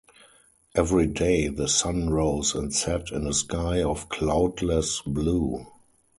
Every day the sun rose and set in a sky of cloudless blue.